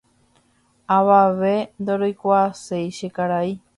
avave ndoroikuaái che karai